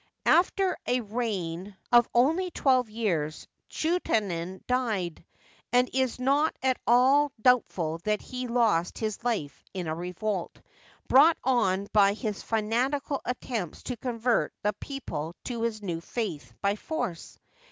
After a reign of only twelve years Chuenaten died, and it is not at all doubtful that he lost his life in a revolt brought on by his fanatical attempts to convert the peo ple to his new faith by force.